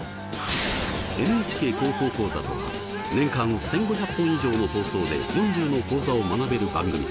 「ＮＨＫ高校講座」とは年間１，５００本以上の放送で４０の講座を学べる番組。